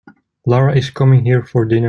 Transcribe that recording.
Lara is coming here for dinner.